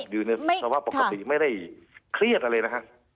อยู่ในภาวะปกติไม่ได้เครียดอะไรนะฮะ